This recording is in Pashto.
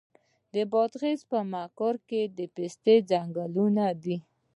د بادغیس په مقر کې د پسته ځنګلونه دي.